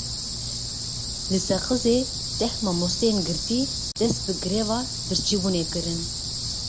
Li Seqizê deh mamosteyên girtî dest bi gireva birçîbunê kirin.